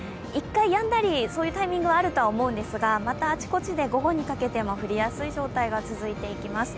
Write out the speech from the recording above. １回やんだり、そういうタイミングはあるとは思うんですが、またあちこちで午後にかけても降りやすい状態が続いていきます。